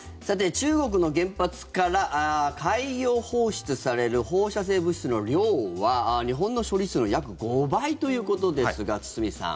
中国の原発から海洋放出される放射性物質の量は日本の処理水の約５倍ということですが、堤さん。